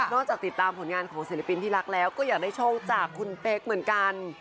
จากติดตามผลงานของศิลปินที่รักแล้วก็อยากได้โชคจากคุณเป๊กเหมือนกัน